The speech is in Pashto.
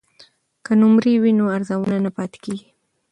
که نمره وي نو ارزونه نه پاتې کیږي.